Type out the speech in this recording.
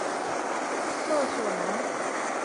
勒索莱。